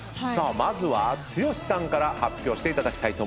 まずは剛さんから発表していただきたいと思います。